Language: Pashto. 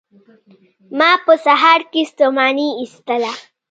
ما په سهار کې ستوماني ایستله